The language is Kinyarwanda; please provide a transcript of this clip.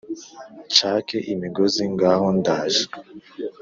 nshake imigozi ngaho ndaje